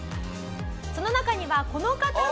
その中にはこの方の姿も！